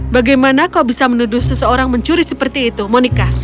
bagaimana kau bisa menuduh seseorang mencuri seperti itu monica